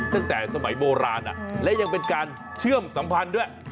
ตั้งแต่สมัยโบราณและยังเป็นการเชื่อมสัมพันธ์ด้วย